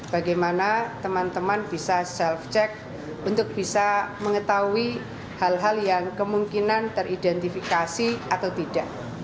bagaimana teman teman bisa self check untuk bisa mengetahui hal hal yang kemungkinan teridentifikasi atau tidak